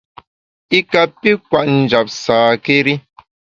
I kapi kwet njap sâkéri.